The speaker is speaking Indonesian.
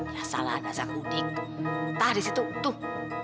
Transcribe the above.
ya salah ada sang budik entah di situ tuh